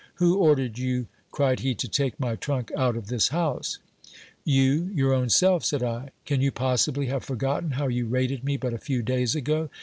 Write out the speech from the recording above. Who ordered you, cried he, to take my trunk out of this house ? You, your own self, said I. Can you possibly have forgotten how you rated me but a few days ago